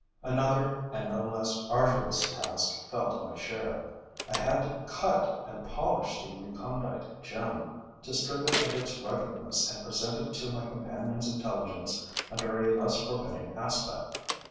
Another and no less arduous task fell to my share: I had to cut and polish the recondite gem, to strip it of its ruggedness and present it to my companion's intelligence under a less forbidding aspect.